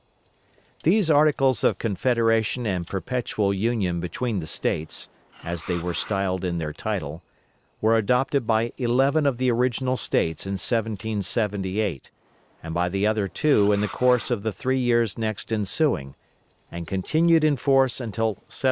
These "Articles of Confederation and Perpetual Union between the States," as they were styled in their title, were adopted by eleven of the original States in 1778, and by the other two in the course of the three years next ensuing, and continued in force until 1789.